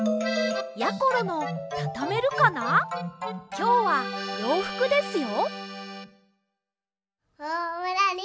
きょうはようふくですよ。